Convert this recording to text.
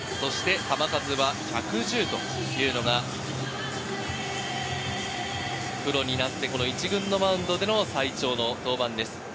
球数は１１０というのがプロになって１軍のマウンドでの最長の登板です。